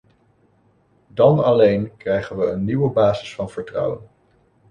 Dan alleen krijgen we een nieuwe basis van vertrouwen.